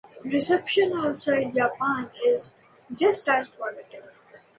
Reception outside Japan is just as positive.